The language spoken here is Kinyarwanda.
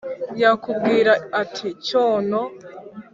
Yakubwira ati: cyono